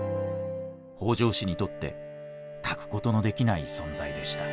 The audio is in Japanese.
北条氏にとって欠くことのできない存在でした。